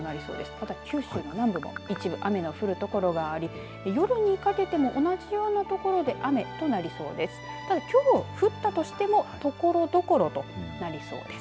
こちら九州の南部も一部雨が降る所があり夜にかけても同じような所で雨となりそうです。